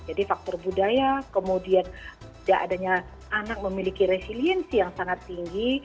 jadi faktor budaya kemudian tidak adanya anak memiliki resiliensi yang sangat tinggi